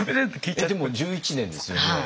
えっでも１１年ですよね。